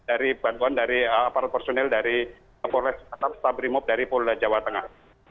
dari bantuan dari aparat personil dari kapolres atau stab remove dari polulajawa tengah